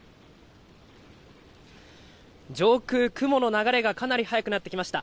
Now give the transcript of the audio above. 上空、雲の流れがかなり速くなってきました。